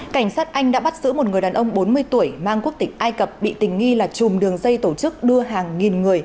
cảnh sát anh đã bắt giữ một người đàn ông bốn mươi tuổi mang quốc tịch ai cập bị tình nghi là chùm đường dây tổ chức đưa hàng nghìn người